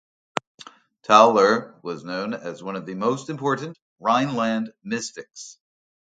Tauler was known as one of the most important Rhineland Mystics.